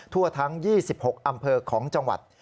ทั่วทั้ง๒๖อำเภอของจังหวัด